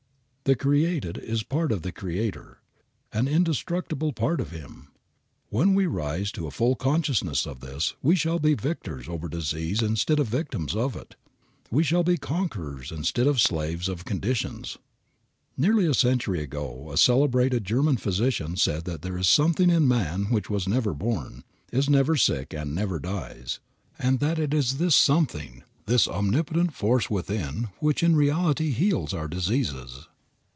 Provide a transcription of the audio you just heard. The created is a part of the Creator, an indestructible part of Him. When we rise to a full consciousness of this we shall be victors over disease instead of victims of it; we shall be conquerors instead of slaves of conditions. Nearly a century ago a celebrated German physician said that there is something in man which was never born, is never sick and never dies, and that it is this something, this omnipotent force within which in reality heals our diseases.